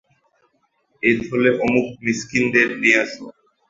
এ থলেটি অমুক মিসকীনদের দিয়ে আস।